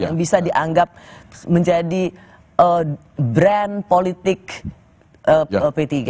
yang bisa dianggap menjadi brand politik p tiga